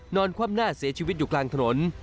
คว่ำหน้าเสียชีวิตอยู่กลางถนน